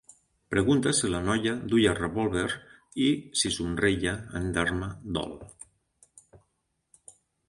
Pregunta si la noia duia revòlver i si somreia en dar-me dol.